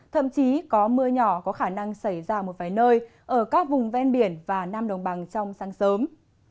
thậm chí có mưa nhỏ có khả năng xảy ra một vài nơi ở các vùng ven biển và nam đồng bằng trong sáng sớm